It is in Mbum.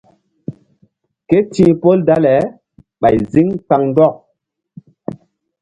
Ké ti̧h pol dale ɓay ziŋ kpaŋndɔk.